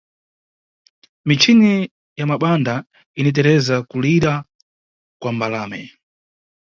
Mijinchi ya mabanda initereza kulira kwa mbalame!